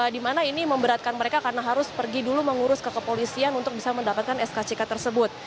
di mana ini memberatkan mereka karena harus pergi dulu mengurus ke kepolisian untuk bisa mendapatkan skck tersebut